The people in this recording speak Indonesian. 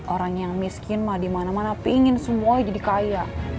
orang yang miskin mah dimana mana pingin semuanya jadi kaya